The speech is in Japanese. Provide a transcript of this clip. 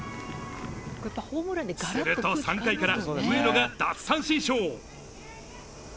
すると３回から上野が奪三振ショー。